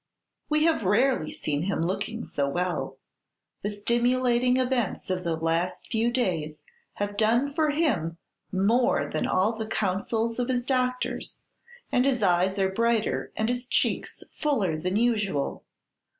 We have rarely seen him looking so well. The stimulating events of the last few days have done for him more than all the counsels of his doctors, and his eyes are brighter and his cheeks fuller than usual.